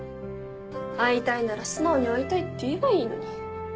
会いたいなら素直に会いたいって言えばいいのに。